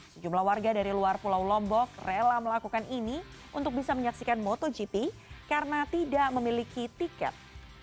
sejumlah warga dari luar pulau lombok rela melakukan ini untuk bisa menyaksikan motogp karena tidak memiliki tiket